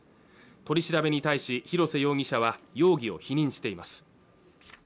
取り調べに対し広瀬容疑者は容疑を否認しています